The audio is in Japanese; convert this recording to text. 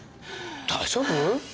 大丈夫？